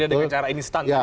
tidak dengan cara instan